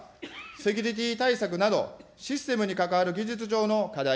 セキュリティ対策など、システムに関わる技術上の課題。